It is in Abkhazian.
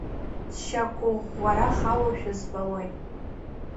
Сшьақәыӷәӷәара халошәа збалоит…